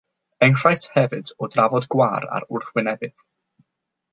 Enghraifft hefyd o drafod gwâr ar wrthwynebydd.